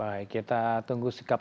baik kita tunggu sikap